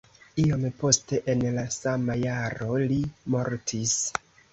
Iom poste en la sama jaro li mortis.